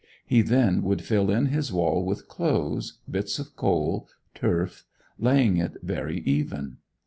He then would fill in his wall with clothes, bits of coal, turf, laying it very even.